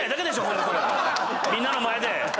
みんなの前で。